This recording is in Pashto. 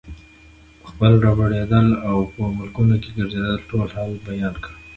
خپل ربړېدل او په ملکونو کې ګرځېدل ټول حال یې بیان کړ.